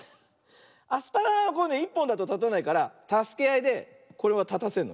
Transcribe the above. アスパラ１ぽんだとたたないからたすけあいでこれはたたせるのね。